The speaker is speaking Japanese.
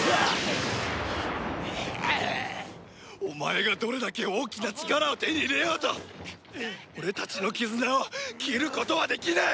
お前がどれだけ大きな力を手に入れようと俺たちの絆を斬ることはできない！